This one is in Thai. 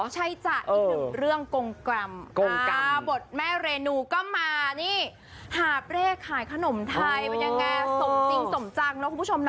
ใช่จ้ะอีกหนึ่งเรื่องกงกรรมกงกรรมบทแม่เรนูก็มานี่หาบเร่ขายขนมไทยเป็นยังไงสมจริงสมจังนะคุณผู้ชมนะ